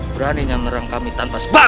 beraninya menyerang kami tanpa sebab